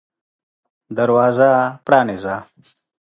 دروازه پرانیزه !